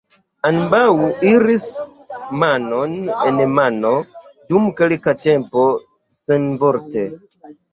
Ambaŭ iris manon en mano dum kelka tempo, senvorte.